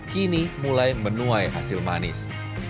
kini mulai menuai hasil manis